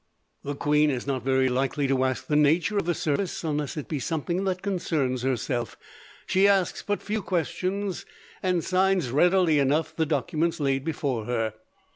"The queen is not very likely to ask the nature of the service. Unless it be something that concerns herself, she asks but few questions, and signs readily enough the documents laid before her.